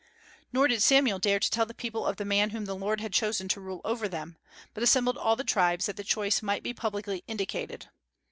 Nor did Samuel dare to tell the people of the man whom the Lord had chosen to rule over them, but assembled all the tribes, that the choice might be publicly indicated.